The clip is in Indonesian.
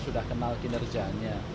saya sudah kenal kinerjanya